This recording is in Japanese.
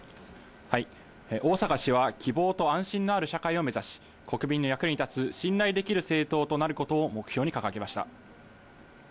逢坂氏は希望と安心のある社会を目指し、国民の役に立つ、信頼できる政党となることを目標に掲げました。